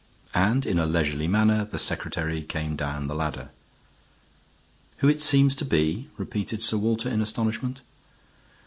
And in a leisurely manner the secretary came down the ladder. "Who it seems to be!" repeated Sir Walter in astonishment.